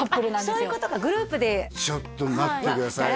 そういうことかグループでちょっと待ってください